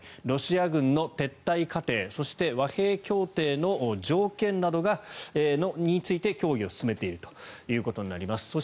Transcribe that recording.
ロシア軍の撤退過程そして和平協定の条件などについて協議を進めているということになります。